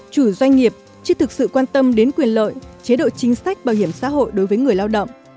chủ doanh nghiệp chưa thực sự quan tâm đến quyền lợi chế độ chính sách bảo hiểm xã hội đối với người lao động